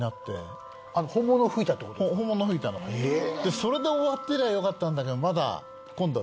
それで終わってりゃよかったんだけどまだ今度は。